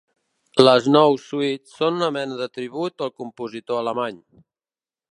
Les nou suites són una mena de tribut al compositor alemany.